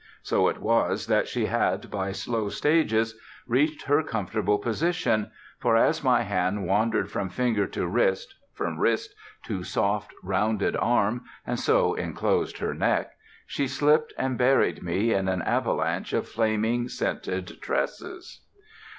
So it was that she had, by slow stages, reached her comfortable position, for as my hand wandered from finger to wrist, from wrist to soft, rounded arm, and so inclosed her neck, she slipped and buried me in an avalanche of flaming, scented tresses.